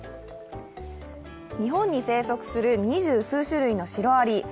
日本に生息する２８種類のシロアリ。